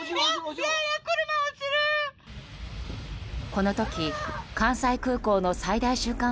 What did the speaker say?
この時、関西空港の最大瞬間